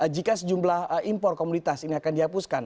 jika sejumlah impor komunitas ini akan dihapuskan